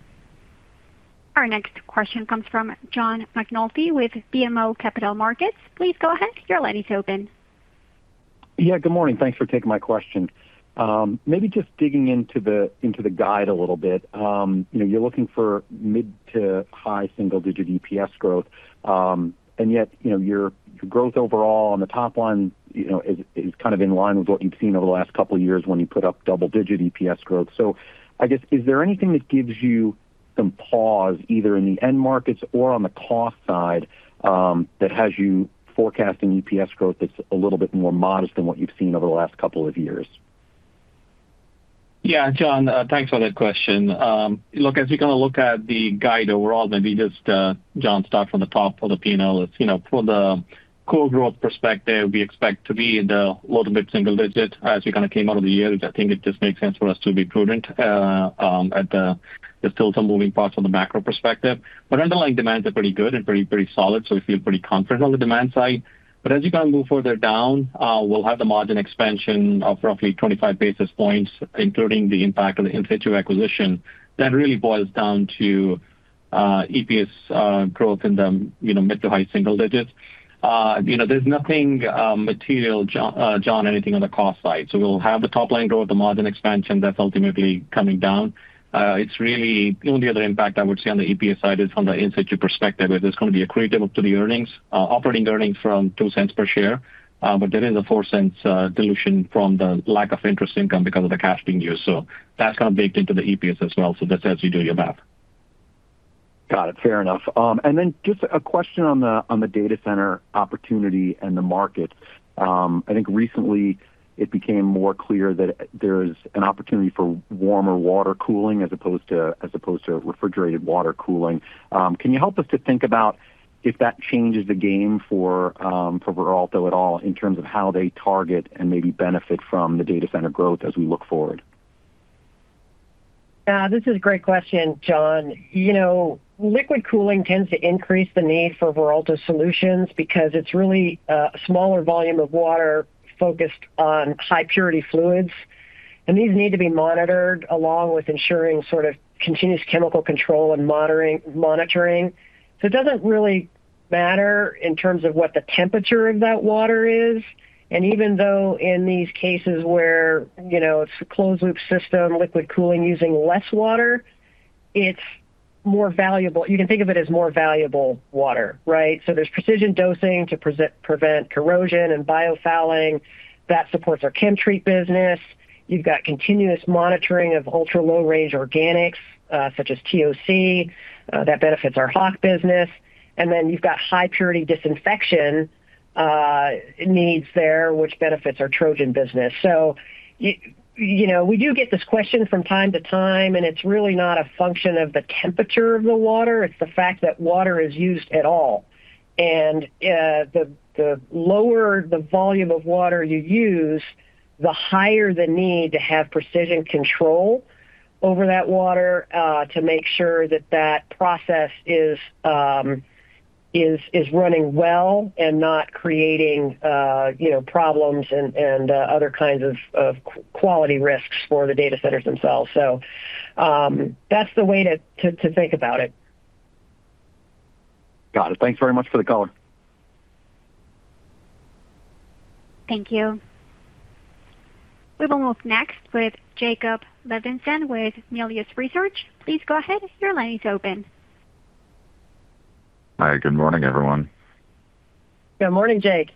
A: Our next question comes from John McNulty with BMO Capital Markets. Please go ahead. Your line is open.
H: Yeah, good morning. Thanks for taking my question. Maybe just digging into the guide a little bit. You know, you're looking for mid- to high-single-digit EPS growth, and yet, you know, your growth overall on the top line, you know, is kind of in line with what you've seen over the last couple of years when you put up double-digit EPS growth. So I guess, is there anything that gives you some pause, either in the end markets or on the cost side, that has you forecasting EPS growth that's a little bit more modest than what you've seen over the last couple of years?
D: Yeah, John, thanks for that question. Look, as we kind of look at the guide overall, maybe just, John, start from the top of the P&L. As you know, from the core growth perspective, we expect to be in the low- to mid-single-digit as we kind of came out of the year, which I think it just makes sense for us to be prudent. There's still some moving parts from the macro perspective, but underlying demands are pretty good and pretty solid, so we feel pretty confident on the demand side. But as you kind of move further down, we'll have the margin expansion of roughly 25 basis points, including the impact of the In-Situ acquisition. That really boils down to EPS growth in the, you know, mid- to high-single digits. You know, there's nothing material, John, anything on the cost side. So we'll have the top line growth, the margin expansion that's ultimately coming down. It's really the only other impact I would see on the EPS side is from the In-Situ perspective, where there's going to be accretive up to the earnings, operating earnings from $0.02 per share. But there is a $0.04 dilution from the lack of interest income because of the cash being used. So that's kind of baked into the EPS as well, so just as you do your math.
H: Got it. Fair enough. And then just a question on the data center opportunity and the market. I think recently it became more clear that there is an opportunity for warmer water cooling as opposed to refrigerated water cooling. Can you help us to think about if that changes the game for Veralto at all in terms of how they target and maybe benefit from the data center growth as we look forward?
C: This is a great question, John. You know, liquid cooling tends to increase the need for Veralto solutions because it's really a smaller volume of water focused on high purity fluids, and these need to be monitored, along with ensuring sort of continuous chemical control and monitoring. So it doesn't really matter in terms of what the temperature of that water is, and even though in these cases where, you know, it's a closed loop system, liquid cooling using less water, it's more valuable. You can think of it as more valuable water, right? So there's precision dosing to prevent corrosion and biofouling. That supports our ChemTreat business. You've got continuous monitoring of ultra-low-range organics, such as TOC, that benefits our Hach business. And then you've got high purity disinfection needs there, which benefits our Trojan business. So you know, we do get this question from time to time, and it's really not a function of the temperature of the water, it's the fact that water is used at all. And the lower the volume of water you use, the higher the need to have precision control over that water to make sure that that process is running well and not creating you know problems and other kinds of quality risks for the data centers themselves. So that's the way to think about it.
H: Got it. Thanks very much for the color.
A: Thank you. We will move next with Jacob Levinson with Melius Research. Please go ahead. Your line is open.
I: Hi, good morning, everyone.
C: Good morning, Jake.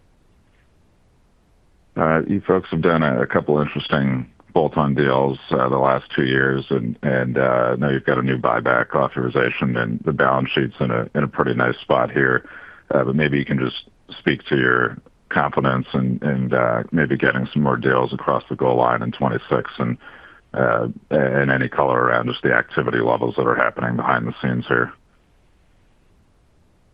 I: You folks have done a couple interesting bolt-on deals the last two years, and now you've got a new buyback authorization, and the balance sheet's in a pretty nice spot here. But maybe you can just speak to your confidence in maybe getting some more deals across the goal line in 2026 and any color around just the activity levels that are happening behind the scenes here.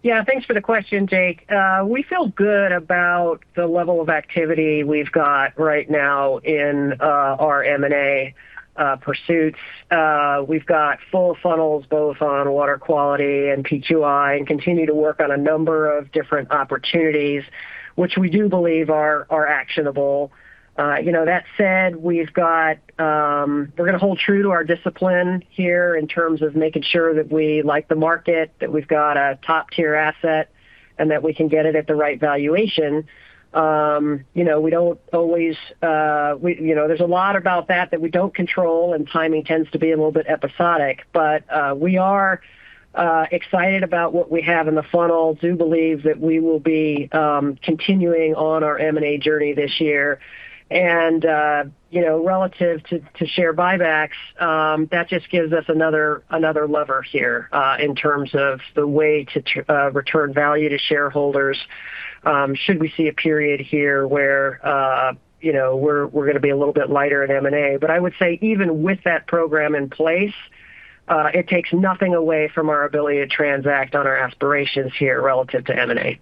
C: Yeah, thanks for the question, Jake. We feel good about the level of activity we've got right now in our M&A pursuits. We've got full funnels, both on Water Quality and PQI, and continue to work on a number of different opportunities, which we do believe are actionable. You know, that said, we're gonna hold true to our discipline here in terms of making sure that we like the market, that we've got a top-tier asset, and that we can get it at the right valuation. You know, we don't always, you know, there's a lot about that that we don't control, and timing tends to be a little bit episodic. But we are excited about what we have in the funnel, do believe that we will be continuing on our M&A journey this year. You know, relative to share buybacks, that just gives us another lever here, in terms of the way to return value to shareholders, should we see a period here where, you know, we're gonna be a little bit lighter in M&A. But I would say even with that program in place, it takes nothing away from our ability to transact on our aspirations here relative to M&A.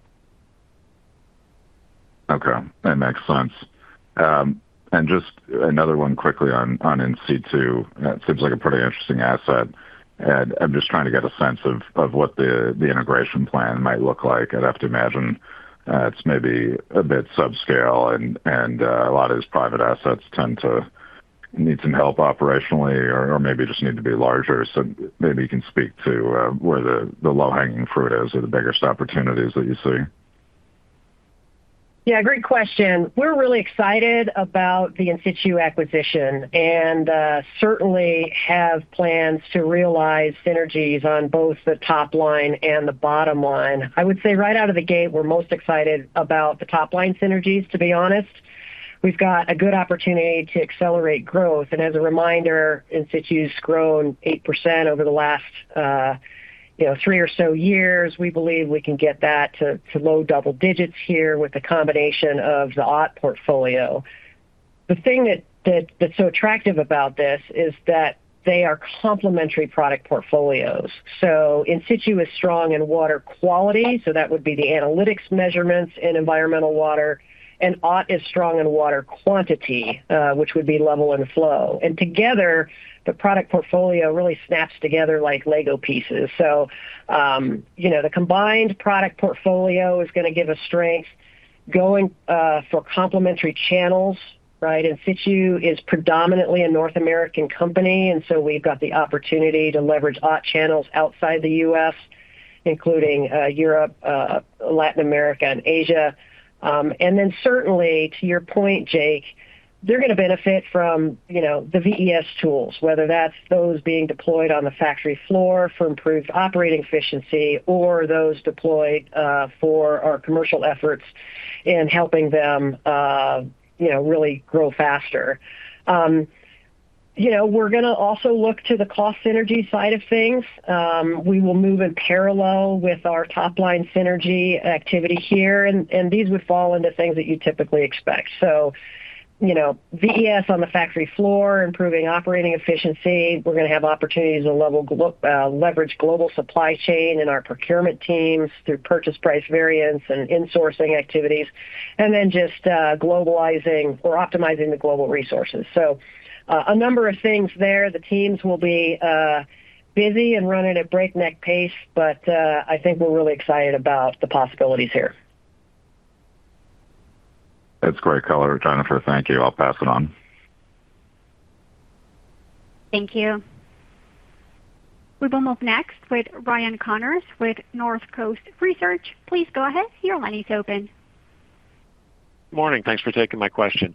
I: Okay. That makes sense. And just another one quickly on In-Situ, that seems like a pretty interesting asset. And I'm just trying to get a sense of what the integration plan might look like. I'd have to imagine, it's maybe a bit subscale and a lot of these private assets tend to need some help operationally or maybe just need to be larger. So maybe you can speak to where the low-hanging fruit is or the biggest opportunities that you see.
C: Yeah, great question. We're really excited about the In-Situ acquisition and certainly have plans to realize synergies on both the top line and the bottom line. I would say right out of the gate, we're most excited about the top line synergies, to be honest. We've got a good opportunity to accelerate growth. And as a reminder, In-Situ's grown 8% over the last three or so years. We believe we can get that to low double digits here with a combination of the OTT portfolio. The thing that's so attractive about this is that they are complementary product portfolios, so In-Situ is strong in water quality, so that would be the analytics measurements in environmental water, and OTT is strong in water quantity, which would be level and flow. And together, the product portfolio really snaps together like Lego pieces. So, you know, the combined product portfolio is gonna give us strength. Going for complementary channels, right? In-Situ is predominantly a North American company, and so we've got the opportunity to leverage OTT channels outside the U.S., including Europe, Latin America, and Asia. And then certainly to your point, Jake, they're going to benefit from, you know, the VES tools, whether that's those being deployed on the factory floor for improved operating efficiency or those deployed for our commercial efforts in helping them, you know, really grow faster. You know, we're going to also look to the cost synergy side of things. We will move in parallel with our top-line synergy activity here, and these would fall into things that you typically expect. So, you know, VES on the factory floor, improving operating efficiency. We're going to have opportunities to leverage global supply chain and our procurement teams through purchase price variance and insourcing activities, and then just globalizing or optimizing the global resources. So, a number of things there. The teams will be busy and running at breakneck pace, but I think we're really excited about the possibilities here.
I: That's great color, Jennifer. Thank you. I'll pass it on.
A: Thank you. We will move next with Ryan Connors with Northcoast Research. Please go ahead. Your line is open.
J: Good morning. Thanks for taking my question.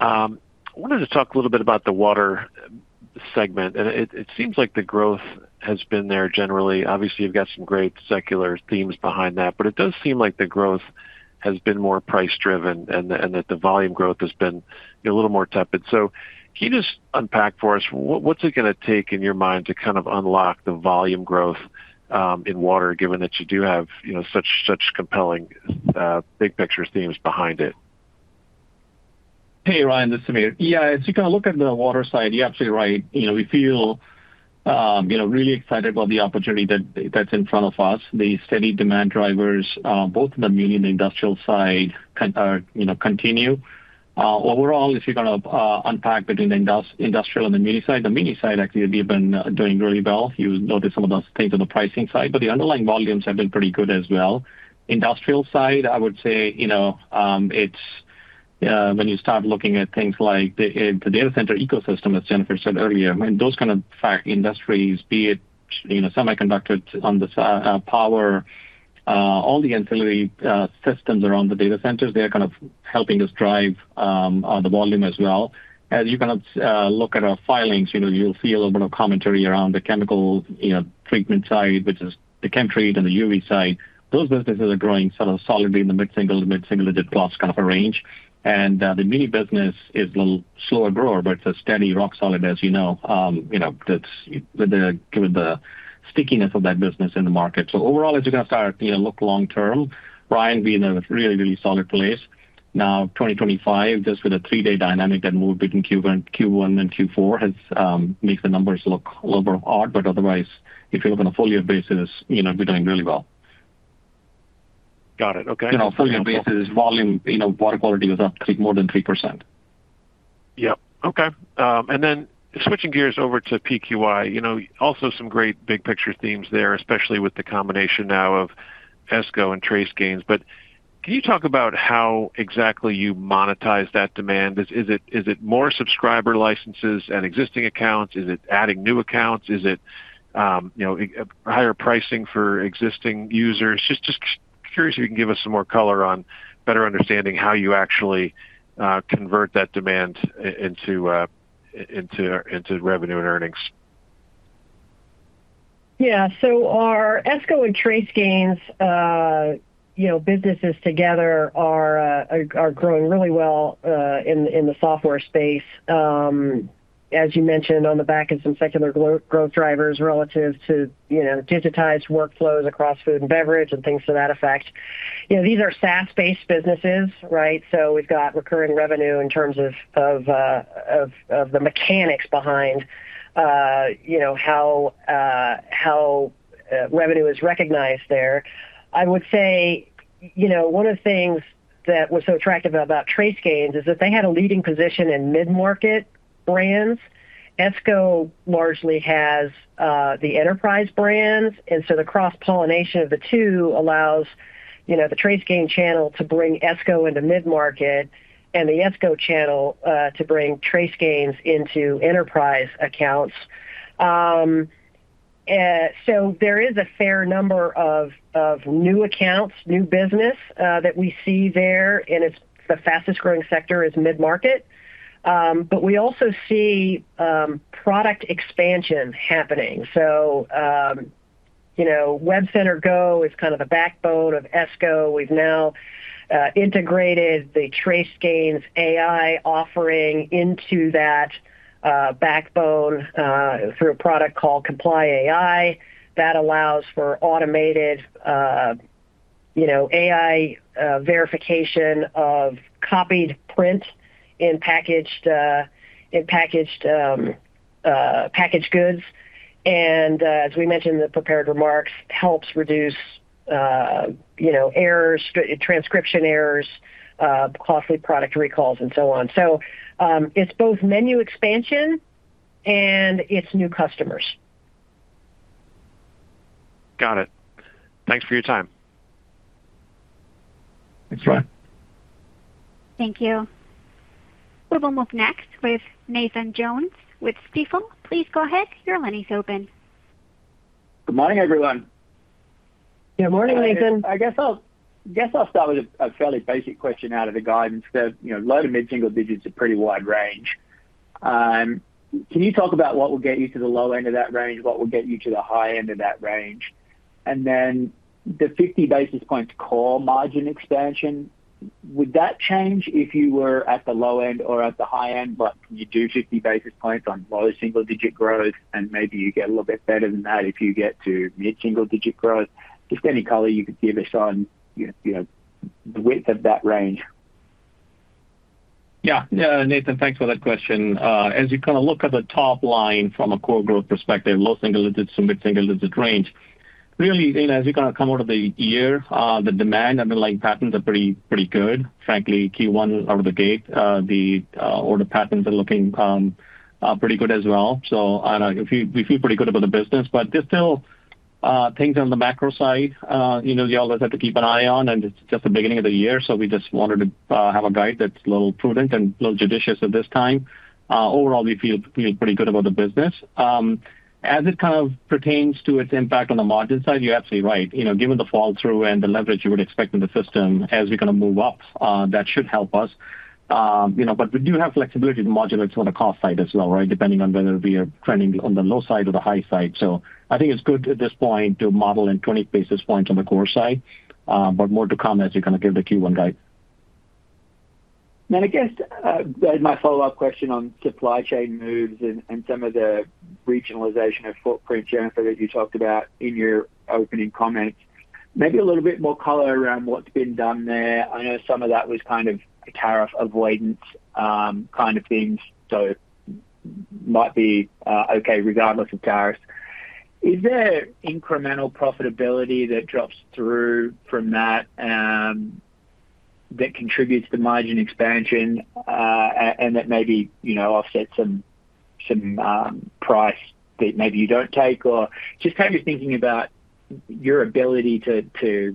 J: I wanted to talk a little bit about the water segment, and it, it seems like the growth has been there generally. Obviously, you've got some great secular themes behind that, but it does seem like the growth has been more price-driven and the, and that the volume growth has been a little more tepid. So can you just unpack for us, what, what's it going to take in your mind to kind of unlock the volume growth, in water, given that you do have, you know, such, such compelling, big picture themes behind it?
D: Hey, Ryan, this is Sameer. Yeah, as you kind of look at the water side, you're absolutely right. You know, we feel, you know, really excited about the opportunity that's in front of us. The steady demand drivers, both in the muni and industrial side, you know, continue. Overall, if you're going to unpack between industrial and the muni side, the muni side actually has been doing really well. You notice some of those things on the pricing side, but the underlying volumes have been pretty good as well. Industrial side, I would say, you know, it's when you start looking at things like the data center ecosystem, as Jennifer said earlier, I mean, those kind of industries, be it, you know, semiconductors on the power, all the ancillary systems around the data centers, they are kind of helping us drive the volume as well. As you kind of look at our filings, you know, you'll see a little bit of commentary around the chemical treatment side, which is the ChemTreat and the UV side. Those businesses are growing sort of solidly in the mid-single-digit growth kind of a range. And the muni business is a little slower grower, but it's a steady rock solid, as you know. You know, that's with the stickiness of that business in the market. So overall, as you kind of start, you know, look long term, Ryan, we're in a really, really solid place. Now, 2025, just with a three-day dynamic that moved between Q1, Q1 and Q4 has makes the numbers look a little bit odd, but otherwise, if you look on a full-year basis, you know, we're doing really well.
J: Got it. Okay.
D: You know, full-year basis, volume, you know, Water Quality was up more than 3%.
J: Yep. Okay, and then switching gears over to PQI, you know, also some great big picture themes there, especially with the combination now of Esko and TraceGains. But can you talk about how exactly you monetize that demand? Is it more subscriber licenses and existing accounts? Is it adding new accounts? Is it, you know, higher pricing for existing users? Just curious if you can give us some more color on better understanding how you actually convert that demand into revenue and earnings.
C: Yeah. So our Esko and TraceGains, you know, businesses together are growing really well in the software space. As you mentioned, on the back of some secular growth drivers relative to, you know, digitized workflows across food and beverage and things to that effect. You know, these are SaaS-based businesses, right? So we've got recurring revenue in terms of the mechanics behind, you know, how revenue is recognized there. I would say, you know, one of the things that was so attractive about TraceGains is that they had a leading position in mid-market brands. Esko largely has the enterprise brands, and so the cross-pollination of the two allows, you know, the TraceGains channel to bring Esko into mid-market and the Esko channel to bring TraceGains into enterprise accounts. So there is a fair number of new accounts, new business that we see there, and it's the fastest growing sector is mid-market. But we also see product expansion happening. So, you know, WebCenter Go is kind of the backbone of Esko. We've now integrated the TraceGains AI offering into that backbone through a product called Comply AI. That allows for automated, you know, AI verification of copied print in packaged goods, and, as we mentioned in the prepared remarks, helps reduce, you know, errors, transcription errors, costly product recalls, and so on. So, it's both menu expansion and it's new customers.
J: Got it. Thanks for your time.
D: Thanks, Ryan.
A: Thank you. We will move next with Nathan Jones with Stifel. Please go ahead. Your line is open.
K: Good morning, everyone.
C: Good morning, Nathan.
K: I guess I'll start with a fairly basic question out of the guidance that, you know, low- to mid-single digits are a pretty wide range. Can you talk about what will get you to the low end of that range? What will get you to the high end of that range? And then the 50 basis points core margin expansion, would that change if you were at the low end or at the high end, but you do 50 basis points on low-single-digit growth, and maybe you get a little bit better than that if you get to mid-single-digit growth? Just any color you could give us on, you know, the width of that range.
D: Yeah. Yeah, Nathan, thanks for that question. As you kind of look at the top line from a core growth perspective, low-single-digits to mid-single digit range, really, you know, as you kind of come out of the year, the demand underlying patterns are pretty, pretty good. Frankly, Q1 out of the gate, the order patterns are looking pretty good as well. So I don't know, we feel, we feel pretty good about the business, but there's still things on the macro side, you know, you always have to keep an eye on, and it's just the beginning of the year, so we just wanted to have a guide that's a little prudent and a little judicious at this time. Overall, we feel, feel pretty good about the business. As it kind of pertains to its impact on the margin side, you're absolutely right. You know, given the fall through and the leverage you would expect in the system as we kind of move up, that should help us. You know, but we do have flexibility to modulate on the cost side as well, right? Depending on whether we are trending on the low side or the high side. So I think it's good at this point to model in 20 basis points on the core side, but more to come as we kind of give the Q1 guide.
K: And I guess my follow-up question on supply chain moves and some of the regionalization of footprint, Jennifer, as you talked about in your opening comments, maybe a little bit more color around what's been done there. I know some of that was kind of tariff avoidance, kind of things, so might be okay, regardless of tariffs. Is there incremental profitability that drops through from that, that contributes to margin expansion, and that maybe, you know, offsets some price that maybe you don't take, or just kind of thinking about your ability to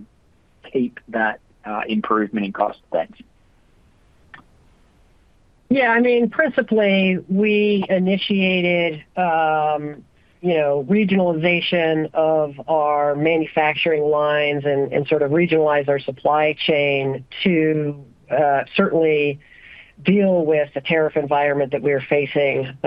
K: keep that improvement in cost sense?
C: Yeah, I mean, principally, we initiated, you know, regionalization of our manufacturing lines and sort of regionalize our supply chain to certainly deal with the tariff environment that we were facing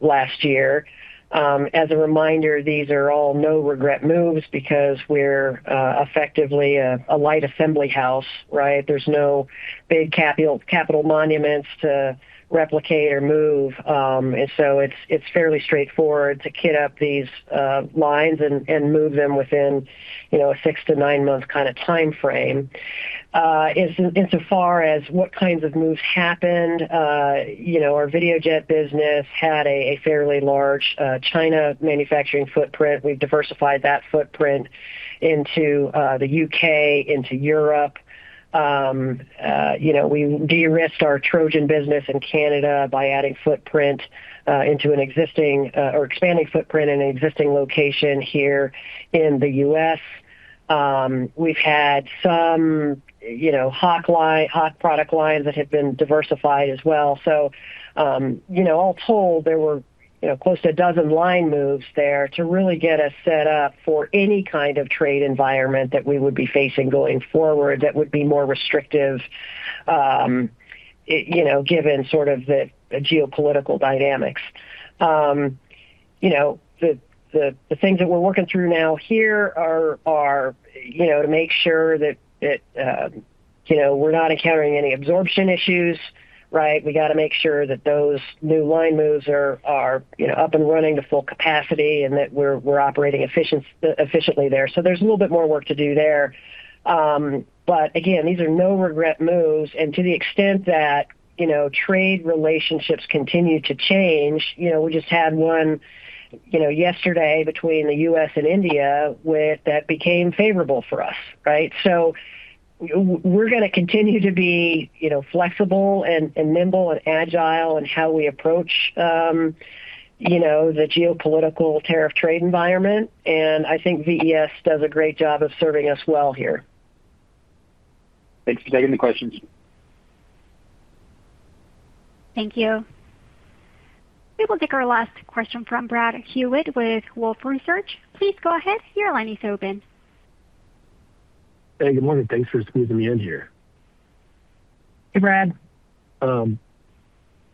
C: last year. As a reminder, these are all no-regret moves because we're effectively a light assembly house, right? There's no big capital monuments to replicate or move. And so it's fairly straightforward to kit up these lines and move them within, you know, a six to nine months kind of time frame. Insofar as what kinds of moves happened, you know, our Videojet business had a fairly large China manufacturing footprint. We've diversified that footprint into the U.K., into Europe. You know, we de-risked our Trojan business in Canada by adding footprint into an existing or expanding footprint in an existing location here in the U.S. We've had some, you know, Hach line - Hach product lines that have been diversified as well. So, you know, all told, there were, you know, close to a dozen line moves there to really get us set up for any kind of trade environment that we would be facing going forward that would be more restrictive, you know, given sort of the geopolitical dynamics. You know, the things that we're working through now here are, you know, to make sure that, you know, we're not encountering any absorption issues, right? We got to make sure that those new line moves are, you know, up and running to full capacity and that we're operating efficiently there. So there's a little bit more work to do there. But again, these are no-regret moves, and to the extent that, you know, trade relationships continue to change, you know, we just had one, you know, yesterday between the U.S. and India, with that became favorable for us, right? So we're gonna continue to be, you know, flexible and nimble, and agile in how we approach, you know, the geopolitical tariff trade environment, and I think VES does a great job of serving us well here.
K: Thanks for taking the questions.
A: Thank you. We will take our last question from Brad Hewitt with Wolfe Research. Please go ahead. Your line is open.
L: Hey, good morning. Thanks for squeezing me in here.
C: Hey, Brad.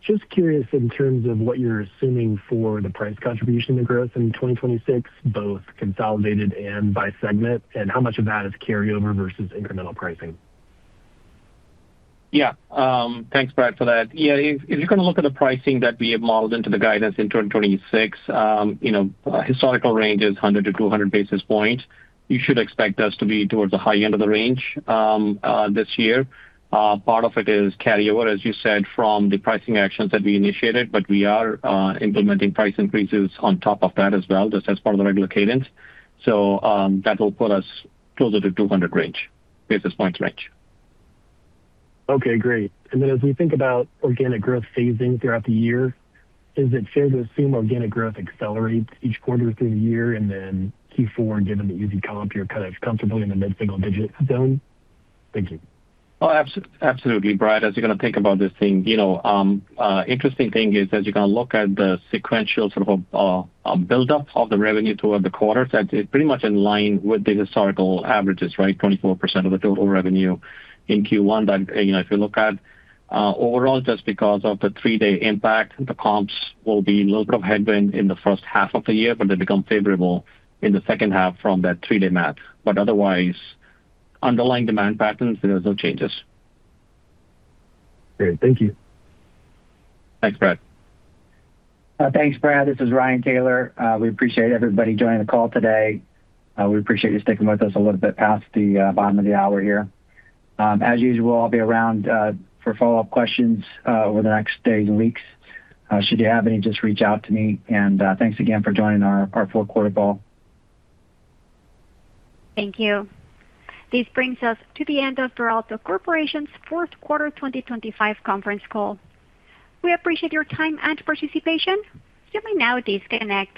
L: Just curious in terms of what you're assuming for the price contribution to growth in 2026, both consolidated and by segment, and how much of that is carryover versus incremental pricing?
D: Yeah. Thanks, Brad, for that. Yeah, if, if you're gonna look at the pricing that we have modeled into the guidance in 2026, you know, historical range is 100-200 basis points. You should expect us to be towards the high end of the range, this year. Part of it is carryover, as you said, from the pricing actions that we initiated, but we are implementing price increases on top of that as well, just as part of the regular cadence. So, that will put us closer to 200 basis points range.
L: Okay, great. And then as we think about organic growth phasing throughout the year, is it fair to assume organic growth accelerates each quarter through the year, and then Q4, given the easy comp, you're kind of comfortably in the mid-single-digit zone? Thank you.
D: Oh, absolutely, Brad. As you're gonna think about this thing, you know, interesting thing is as you're gonna look at the sequential sort of buildup of the revenue toward the quarters, that is pretty much in line with the historical averages, right? 24% of the total revenue in Q1. That, you know, if you look at overall, just because of the three-day impact, the comps will be a little bit of headwind in the first half of the year, but they become favorable in the second half from that three-day math. But otherwise, underlying demand patterns, there are no changes.
L: Great. Thank you.
D: Thanks, Brad.
B: Thanks, Brad. This is Ryan Taylor. We appreciate everybody joining the call today. We appreciate you sticking with us a little bit past the bottom of the hour here. As usual, I'll be around for follow-up questions over the next days and weeks. Should you have any, just reach out to me, and thanks again for joining our, our fourth quarter call.
A: Thank you. This brings us to the end of Veralto Corporation's Fourth Quarter 2025 Conference Call. We appreciate your time and participation. You may now disconnect.